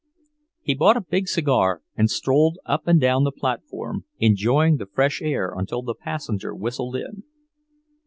He bought a big cigar, and strolled up and down the platform, enjoying the fresh air until the passenger whistled in.